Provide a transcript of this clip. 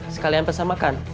sekalian pesan makan